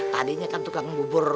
tadinya kan tukang ngubur